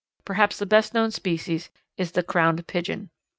Perhaps the best known species is the Crowned Pigeon.